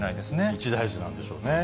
一大事なんでしょうね。